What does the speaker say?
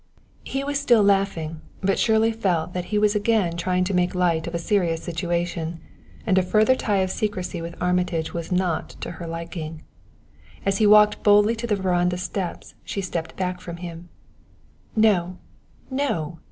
He was still laughing, but Shirley felt that he was again trying to make light of a serious situation, and a further tie of secrecy with Armitage was not to her liking. As he walked boldly to the veranda steps, she stepped back from him. "No! No!